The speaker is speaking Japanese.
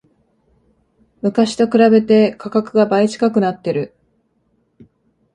昔と比べて価格が倍近くなってる